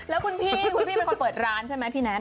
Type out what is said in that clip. แล้วคุณพี่คุณพี่เป็นคนเปิดร้านใช่ไหมพี่แน็ต